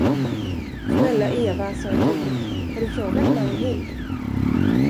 Snälla Eva, sade jag tydligt, har du frågat Magnhild?